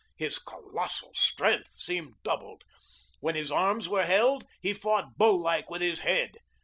His colossal strength seemed doubled; when his arms were held, he fought bull like with his head.